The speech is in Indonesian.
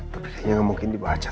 tapi kayaknya nggak mungkin dibaca